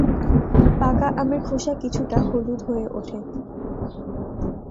পাকা আমের খোসা কিছুটা হলুদ হয়ে ওঠে।